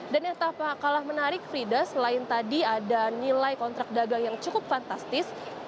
dan yang tak kalah menarik frida selain tadi ada nilai kontrak dagang yang cukup fantastis